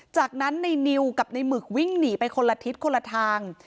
จากนั้นในนิวกับในหมึกวิ่งหนีไปคนละทิศคนละทาง